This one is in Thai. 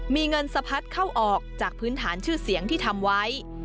มีเงินสะพัดเข้าออกจากพื้นฐานชื่อเสียงที่ทำไว้